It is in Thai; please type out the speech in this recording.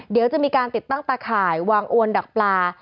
เดี๋ยวจะมีการติดตั้งตาข่ายวางอวนดักปลา